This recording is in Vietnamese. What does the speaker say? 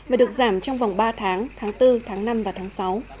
mà được giảm trong vòng ba tháng tháng bốn tháng năm và tháng sáu